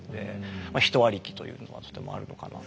まあ「人ありき」というのはとてもあるのかなと。